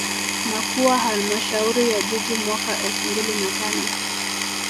Na kuwa Halmashauri ya Jiji mwaka elfu mbili na tano